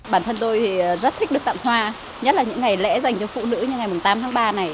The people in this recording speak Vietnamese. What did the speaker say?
bản thân tôi thì rất thích được tặng hoa nhất là những ngày lễ dành cho phụ nữ như ngày tám tháng ba này